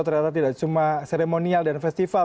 ternyata tidak cuma seremonial dan festival